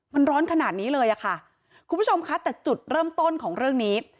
มันร้อนขนาดนี้เลยอะค่ะคุณผู้ชมคะแต่จุดเริ่มต้นของเรื่องนี้